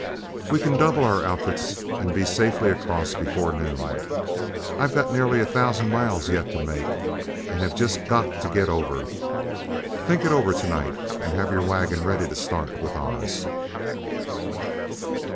We can double our outfits and be safely across before noon. I've got nearly a thousand miles yet to make, and have just got to get over. Think it over to night, and have your wagon ready to start with ours."